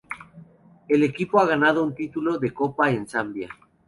El equipo ha ganado un título de copa en Zambia.